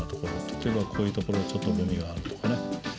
例えばこういうところちょっとごみがあるとかね。